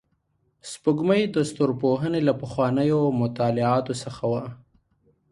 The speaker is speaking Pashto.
سپوږمۍ د ستورپوهنې له پخوانیو مطالعاتو څخه وه